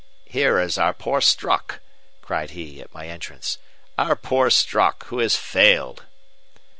"Here is our poor Strock!" cried he, at my entrance. "Our poor Strock, who has failed!"